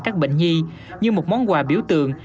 các bệnh nhi như một món quà biểu tượng